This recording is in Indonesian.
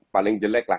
paling jelek lah